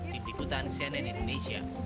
tim liputan cnn indonesia